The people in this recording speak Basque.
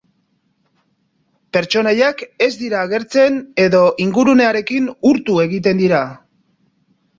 Pertsonaiak ez dira agertzen edo ingurunearekin urtu egiten dira.